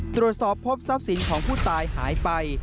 ตรวจสอบพบทรัพย์สินของผู้ตายหายไป